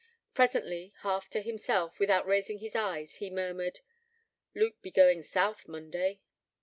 Presently, half to himself, without raising his eyes, he murmured: 'Luke be goin' South, Monday.'